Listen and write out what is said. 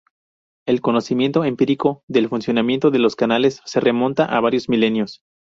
El conocimiento empírico del funcionamiento de los canales se remonta a varios milenios.